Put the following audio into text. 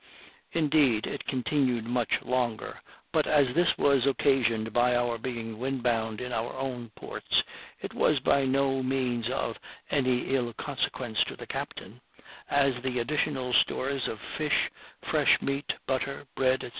Indeed it continued much longer; but as this was occasioned by our being wind bound in our own ports, it was by no means of any ill consequence to the captain, as the additional stores of fish, fresh meat, butter, bread, &c.